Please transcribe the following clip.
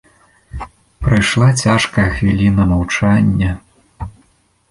Прайшла цяжкая хвіліна маўчання.